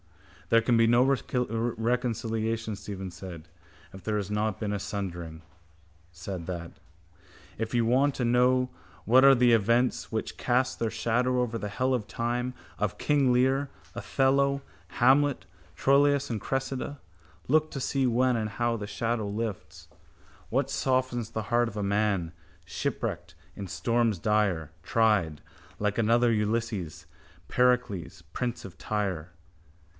—There can be no reconciliation, Stephen said, if there has not been a sundering. Said that. —If you want to know what are the events which cast their shadow over the hell of time of King Lear, Othello, Hamlet, Troilus and Cressida, look to see when and how the shadow lifts. What softens the heart of a man, shipwrecked in storms dire, Tried, like another Ulysses, Pericles, prince of Tyre?